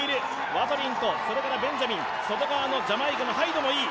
ワトリンとそれからベンジャミン外側のジャマイカのハイドもいい。